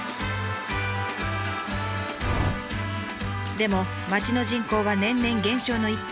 でも町の人口は年々減少の一途。